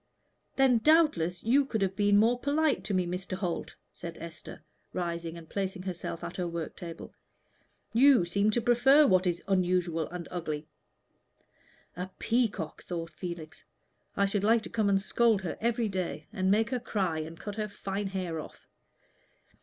"Then, doubtless, you could have been more polite to me, Mr. Holt," said Esther, rising and placing herself at her work table. "You seem to prefer what is unusual and ugly." "A peacock!" thought Felix. "I should like to come and scold her every day, and make her cry and cut her fine hair off."